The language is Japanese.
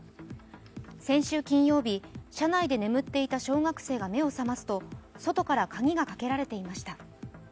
先週金曜日、車内で眠っていた小学生が目を覚ますと外から鍵がかけられていました。